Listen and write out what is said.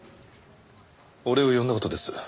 俺を呼んだ事です。